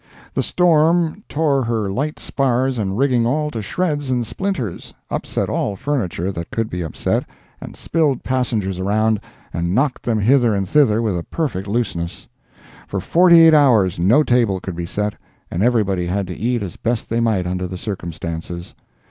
[The storm] tore her light spars and rigging all to shreds and splinters, upset all furniture that could be upset, and spilled passengers around and knocked them hither and thither with a perfect looseness. For forth eight hours no table could be set, and every body had to eat as best they might under the circumstances.